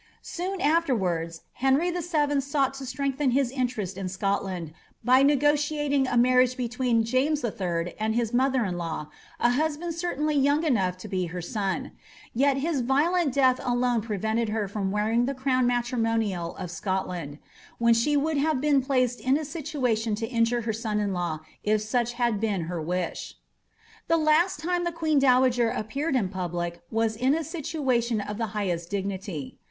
''* Soon afterwards, Henry VII. songht to strengthen his interest in Scotland, by negotiating a marriage between James III. and his mother^ iii4aw, a husband certainly young enough to be her son ; yet his violent death alone prevented her from wearing the crown matrimonial of Scot land^— when she would have been placed in a situation to injure her •on in law, if such had been her wish. The last time the queen dowager appeared in public was in a situa tion of the highest dignity.